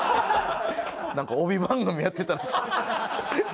なんか帯番組やってたらしい寝言で。